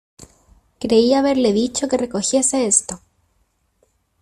Creía haberle dicho que recogiese esto.